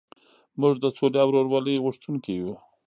موږ د سولې او ورورولۍ غوښتونکي یو.